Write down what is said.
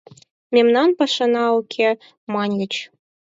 Мемнан пашана уке, — маньыч.